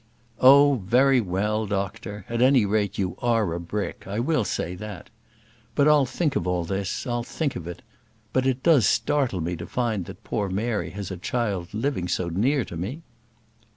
"Oh, very well, doctor. At any rate, you are a brick, I will say that. But I'll think of all this, I'll think of it; but it does startle me to find that poor Mary has a child living so near to me."